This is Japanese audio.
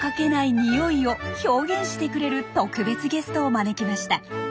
ニオイを表現してくれる特別ゲストを招きました。